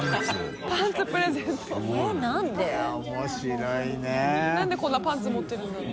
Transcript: なんでこんなパンツ持ってるんだろう？